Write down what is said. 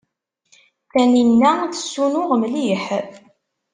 Taninna tessunuɣ mliḥ.